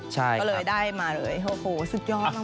ก็เลยได้มาเลยโอ้โหสุดยอดมาก